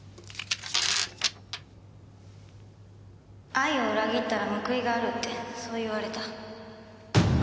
愛を裏切ったら報いがあるってそう言われた。